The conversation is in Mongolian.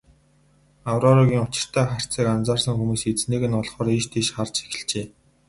Аврорагийн учиртай харцыг анзаарсан хүмүүс эзнийг нь олохоор ийш тийш харж эхэлжээ.